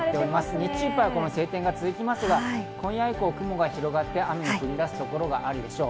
日中いっぱいはこの晴天が続きますが、今夜以降、雲が広がって、雨が降り出す所があるでしょう。